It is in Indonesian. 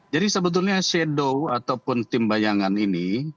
jadi sebetulnya shadow ataupun tim bayangan ini